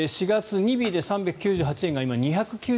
４月、２尾で３９８円が今、２９９円。